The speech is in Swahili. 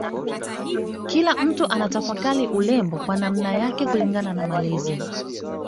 Kila mtu anatafakari urembo kwa namna yake kulingana na malezi